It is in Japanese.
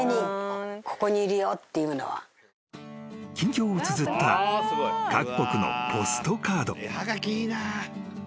［近況をつづった各国のポストカード］